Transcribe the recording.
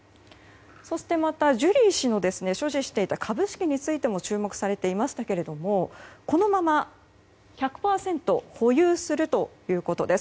そして、ジュリー氏の所持していた株式についても注目されていましたけれどもこのまま１００％保有するということです。